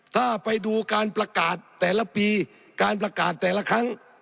ถ้าไปดูการประกาศแต่ละปีการประกาศแต่ละครั้ง